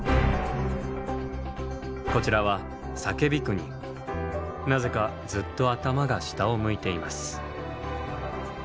こちらはなぜかずっと頭が下を向いています。